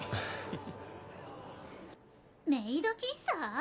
メイド喫茶？